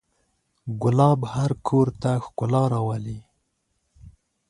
ګلاب هر کور ته ښکلا راولي.